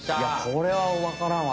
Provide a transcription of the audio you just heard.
これはわからんわ！